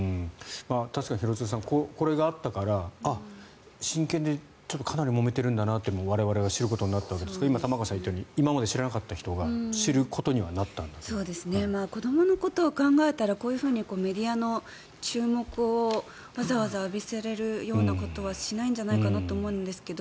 確かに廣津留さんこれがあったから親権でかなりもめてるんだなって我々が知ることになったわけですから今、玉川さんが言ったように今まで知らなかった人が知ることには子どものことを考えたらこういうふうにメディアの注目をわざわざ浴びせることはしないんじゃないかなと思うんですけど